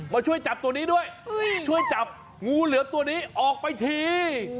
มาช่วยจับตัวนี้ด้วยช่วยจับงูเหลือมตัวนี้ออกไปที